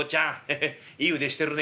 ヘヘッいい腕してるね」。